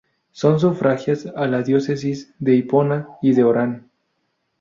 Son sufragáneas las Diócesis de Hipona y de Oran.